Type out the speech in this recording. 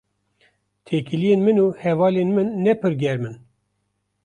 Têkiliyên min û hevalên min ne pir germ in.